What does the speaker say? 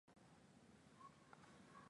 Judy alitoka Ohio.